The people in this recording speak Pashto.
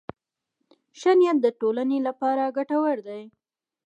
ښه نیت د ټولنې لپاره ګټور دی.